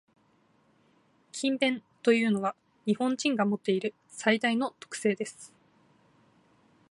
「勤勉」というのは、日本人が持っている最大の特性です。